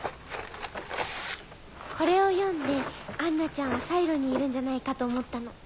これを読んで杏奈ちゃんはサイロにいるんじゃないかと思ったの。